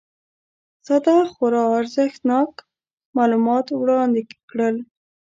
ساده خورا ارزښتناک معلومات وړاندي کړل